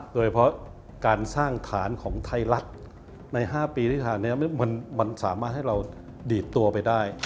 โดยเฉพาะการสร้างฐานของไทยรัฐใน๕ปีที่ผ่านมามันสามารถให้เราดีดตัวไปได้